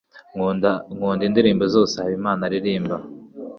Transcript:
Nkunda indirimbo zose Habimana aririmba.